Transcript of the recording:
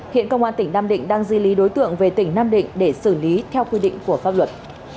hiện công an tỉnh nam định đang di lý đối tượng về tỉnh nam định để xử lý theo quy định của pháp luật